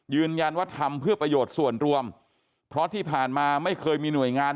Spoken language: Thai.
ยืนยันว่าทำเพื่อประโยชน์ส่วนรวมเพราะที่ผ่านมาไม่เคยมีหน่วยงาน